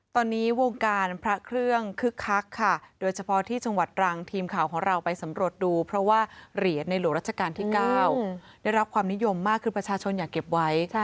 ตอนนี้วงการพระเครื่องคึกคักค่ะโดยเฉพาะที่จังหวัดรังทีมข่าวของเราไปสำรวจดูเพราะว่าเหรียญในหลวงรัชกาลที่๙ได้รับความนิยมมากคือประชาชนอยากเก็บไว้